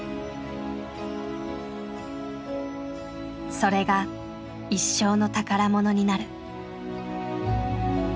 それが一生の宝物になる。